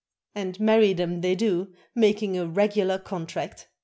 And marry them they do, making a regular contract!